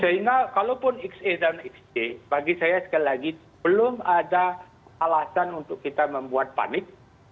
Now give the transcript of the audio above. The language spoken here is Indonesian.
sehingga kalaupun xa dan xj bagi saya sekali lagi belum ada alasan untuk kita membuat panik